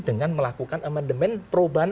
dengan melakukan amandemen perubahan